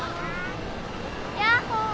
ヤッホー！